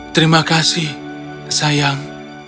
terima kasih sayang